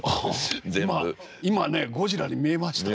今今ねゴジラに見えましたよ。